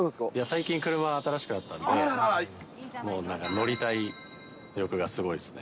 最近、車が新しくなったんで、乗りたい欲がすごいですね。